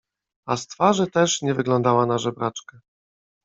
— A z twarzy też nie wyglądała na żebraczkę!